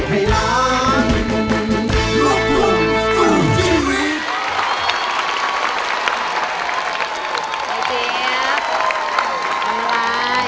โทษให้โทษให้โทษให้โทษให้